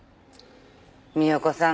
美代子さん。